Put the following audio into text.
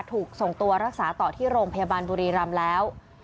ถูกส่งตัวรักษาต่อที่โรงพยาบาลบุรีรำแล้ว